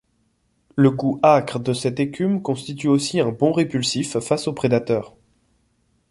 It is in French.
Le goût âcre de cette écume constitue aussi un bon répulsif face aux prédateurs.